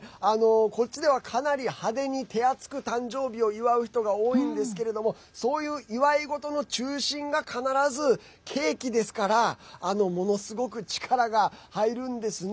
こっちでは、かなり派手に手厚く誕生日を祝う人が多いんですけれどもそういう祝い事の中心が必ずケーキですからものすごく力が入るんですね。